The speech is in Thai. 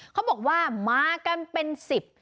เขาบอกว่ามากันเป็นสิบ